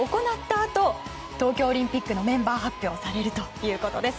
あと東京オリンピックのメンバーが発表されるということです。